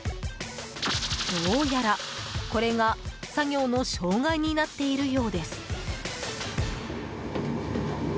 どうやら、これが作業の障害になっているようです。